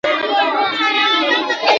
مور د ماشومانو سره په صبر چلند کوي.